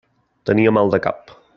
Tenia mal de cap.